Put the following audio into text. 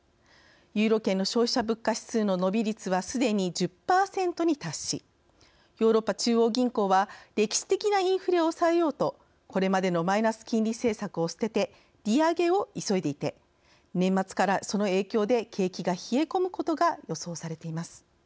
ユーロ圏の消費者物価指数の伸び率は、すでに１０％に達しヨーロッパ中央銀行は歴史的なインフレを抑えようとこれまでのマイナス金利政策を捨てて利上げを急いでいて年末から、その影響で景気が冷え込むことが予想されています。